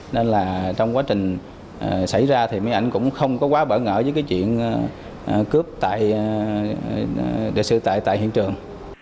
nên là trong quá trình xảy ra thì mấy ảnh cũng không có quá bỡ ngỡ với cái chuyện cướp tại hiện trường